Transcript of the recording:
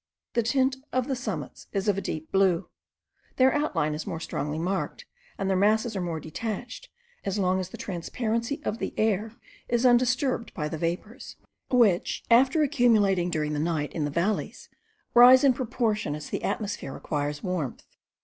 The tint of the summits is of a deeper blue, their outline is more strongly marked, and their masses are more detached, as long as the transparency of the air is undisturbed by the vapours, which, after accumulating during the night in the valleys, rise in proportion as the atmosphere acquires warmth.